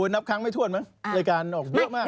นับครั้งไม่ทวนมั้งรายการออกเบื้อกมาก